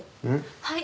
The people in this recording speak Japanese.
はい。